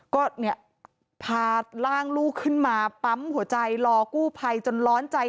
ก็เนี่ยพาร่างลูกขึ้นมาปั๊มหัวใจรอกู้ภัยจนร้อนใจ